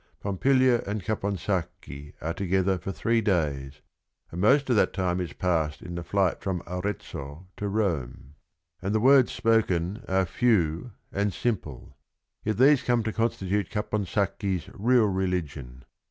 Pompilia and Caponsacchi are together for three days, and most of that time is passed in the flight from Arezzo to Rome, and LESSONS OF RING AND BOOK 235 the words spoken are few and simple, yet these come to constitute Caponsacchi's real religion.